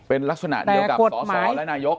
เป็นลักษณะเดียวกับสสและนายก